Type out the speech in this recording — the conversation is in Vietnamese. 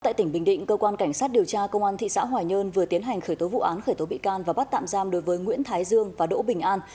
tại tỉnh bình định cơ quan cảnh sát điều tra công an thị xã hòa nhơn vừa tiến hành khởi tố vụ án khởi tố bị can và bắt tạm giam đối với nguyễn thái dương và đỗ bình an